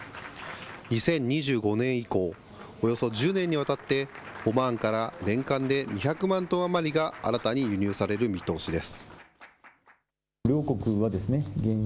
２０２５年以降、およそ１０年にわたってオマーンから年間で２００万トン余りが新たに輸入される見通しです。